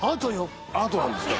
アートなんですか。